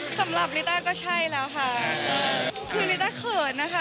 สำหรับลิต้าก็ใช่แล้วก่อนค่ะ